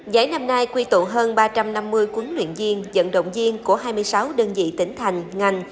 giải năm nay quy tụ hơn ba trăm năm mươi quấn luyện viên dẫn động viên của hai mươi sáu đơn vị tỉnh thành ngành